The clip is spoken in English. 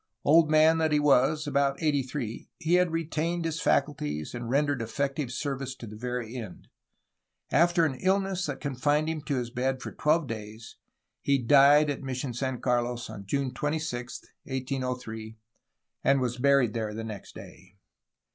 Old man that he was, about eighty three, he had retained his faculties and rendered effective service to the very end. After an illness that confined him to his bed for twelve days he died at Mission San Carlos on June 26, 1803, and was buried there the next day.